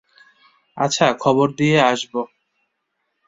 আচ্ছা, খবর দিয়ে আসব।